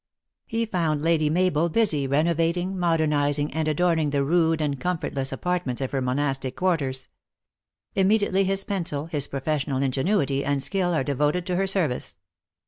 He found Lady Mabel busy renovating, modernising and adorning the rude and comfortless apartments of her monastic quarters. Im mediately his pencil, his professional ingenuity and skill are devoted to her service.